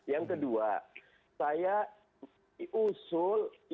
yang kedua saya usul yang ketiga